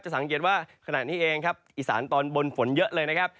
สังเกตว่าขณะนี้เองครับอีสานตอนบนฝนเยอะเลยนะครับ